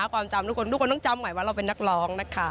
ความจำทุกคนทุกคนต้องจำใหม่ว่าเราเป็นนักร้องนะคะ